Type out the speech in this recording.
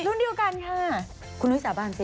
รุ่นเดียวกันค่ะคุณนุ้ยสาบานสิ